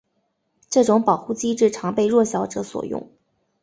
这种保护机制常被弱小者所用。